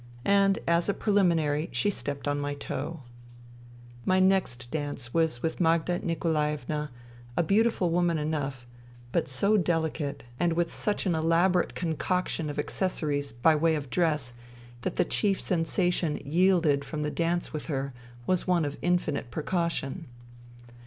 And, as a preliminary, she stepped on my toe. ... My next dance was with Magda Nikolaevna, a beautiful woman enough, but so dehcate and with 186 FUTILITY such an elaborate concoction of accessories by way of dress that the chief sensation yielded from the dance with her was one of infinite precaution.